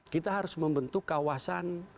kita harus membentuk kawasan